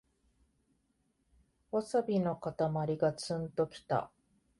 ワサビのかたまりがツンときた